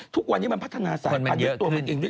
ทุกวันนี้มันพัฒนาสามไป